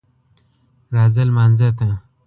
راځه لمانځه ته